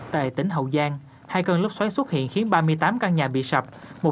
tại tỉnh hậu giang hai cơn lốc xoáy xuất hiện khiến ba mươi tám căn nhà bị sập